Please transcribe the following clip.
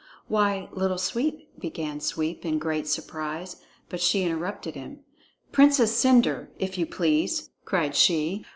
"Why, Little Sweep," began Sweep in great surprise, but she interrupted him. "Princess Cendre, if you please!" cried she.